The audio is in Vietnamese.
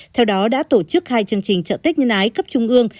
theo đó đã tổ chức hai chương trình chợ tết nhân ái cấp trung ương